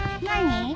何？